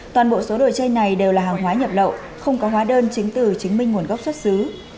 toàn bộ số đồ chơi này đều là hàng hóa nhập lậu không có hóa đơn chứng từ chứng minh nguồn gốc xuất xứ